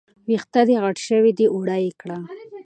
وېښته دې غټ شوي دي، واړه يې کړه